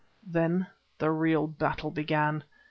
Then the real battle began.